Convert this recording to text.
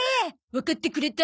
わかってくれた？